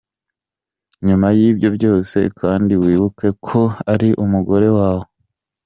nyuma yibyo byose kandi wibuke ko ari umugore wawe.